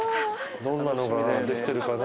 どんなのができてるかな？